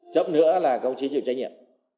chậm nữa là công trí chịu trách nhiệm